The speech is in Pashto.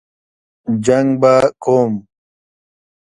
جنګ به کوم.